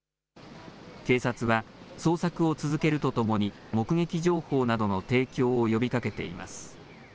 警察は、捜索を続けるとともに、目撃情報などの提供を呼びかけています。